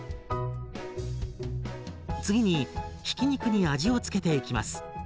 次にひき肉に味を付けていきます。